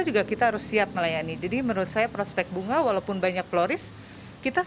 juga kita harus siap melayani jadi menurut saya prospek bunga walaupun banyak floris kita